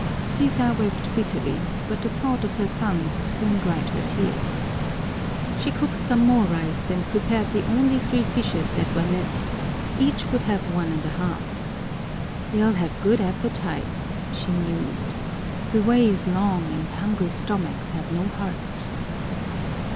Sisa wept bitterly, but the thought of her sons soon dried her tears. She cooked some more rice and prepared the only three fishes that were left: each would have one and a half. "They'll have good appetites," she mused, "the way is long and hungry stomachs have no heart."